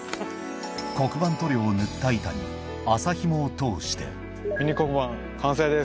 黒板塗料を塗った板に麻紐を通してミニ黒板完成です。